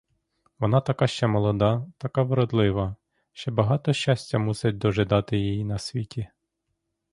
Вона така ще молода, така вродлива, ще багато щастя мусить дожидати її на світі.